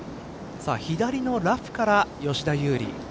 左のラフから吉田優利。